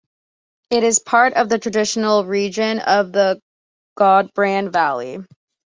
It is part of the traditional region of the Gudbrand Valley.